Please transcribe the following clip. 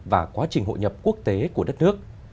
và quá trình hội nhập quốc tế của đất nước